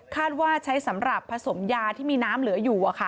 ว่าใช้สำหรับผสมยาที่มีน้ำเหลืออยู่